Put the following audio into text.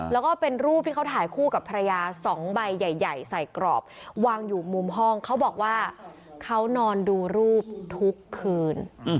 แล้วก็เป็นรูปที่เขาถ่ายคู่กับภรรยา๒ใบใหญ่ใส่กรอบวางอยู่มุมห้องเขาบอกว่าเขานอนดูรูปทุกคืน